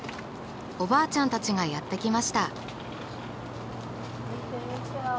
おばあちゃんたちがやって来ました。